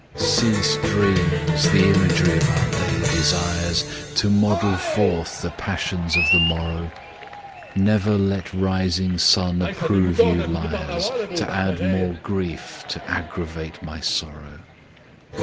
Cease dreams, th' imagery of our day desires, To model forth the passions of the morrow; Never let rising sun approve you liars, To add more grief to aggravate my sorrow.